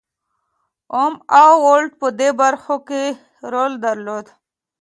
اوم او ولټ په دې برخه کې رول درلود.